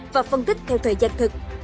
và phân tích theo thời gian thực